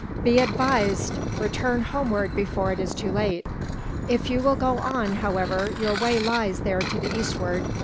Be advised; return homeward before it is too late. If you will go on, however, your way lies there to the eastward.